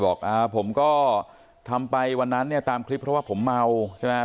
ผมก็ทำไปวันนั้นเนี่ยตามคลิปเพราะว่าผมเมาใช่ไหม